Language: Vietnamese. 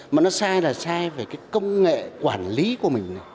mà nó sai là sai về cái công nghệ quản lý của mình